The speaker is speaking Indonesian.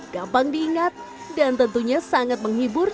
gampang diingat dan tentunya sangat menghibur